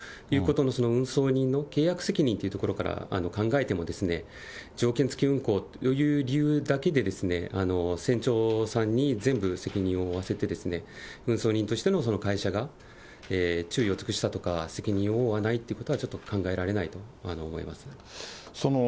そうですね、特に今回、一般の方々、特に幼いお子さまも乗っておられる中で、旅客船ということの運送人の契約責任ということから考えても、条件付き運航という理由だけで、船長さんに全部責任を負わせて、運送人としての会社が注意を尽くしたとか、責任を負わないということは、ちょっと考えられないと思います。